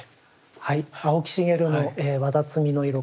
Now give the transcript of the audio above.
はい青木繁の「わだつみのいろ